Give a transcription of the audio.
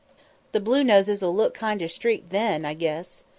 The Blue Noses will look kinder streaked then, I guess."